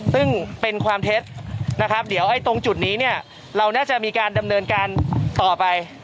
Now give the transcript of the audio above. ซึ่งเป็นความเท็จนะครับเดี๋ยวตรงจุดนี้เนี่ยเราน่าจะมีการดำเนินการต่อไป